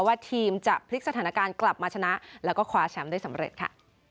ว่าทีมจะพลิกสถานการณ์กลับมาชนะแล้วก็คว้าแชมป์ได้สำเร็จค่ะ